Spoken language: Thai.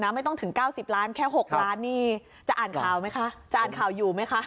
ไม่ต้องถึง๙๐ล้านแค่๖ล้านนี่จะอ่านข่าวอยู่ไหมคะ